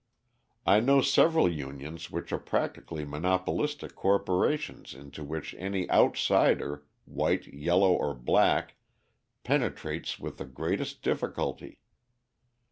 I know several unions which are practically monopolistic corporations into which any outsider, white, yellow, or black, penetrates with the greatest difficulty.